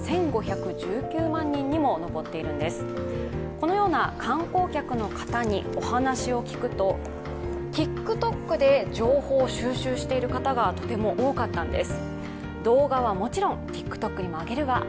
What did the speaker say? このような観光客の方にお話を聞くとＴｉｋＴｏｋで情報を収集している方が多かったんです。